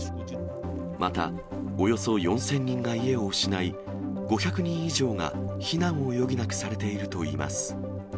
また、およそ４０００人が家を失い、５００人以上が避難を余儀なくされているといいます。